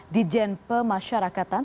di jenpe masyarakatan